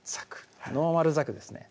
ノーマルザクですね